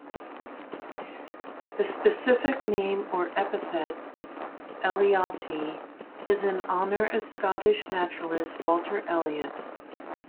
The specific name or epithet, "ellioti", is in honor of Scottish naturalist Walter Elliot.